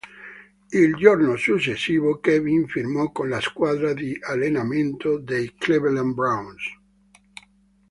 Il giorno successivo, Kevin firmò con la squadra di allenamento dei Cleveland Browns.